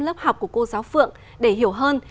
lớp học của cô giáo phượng để hiểu hơn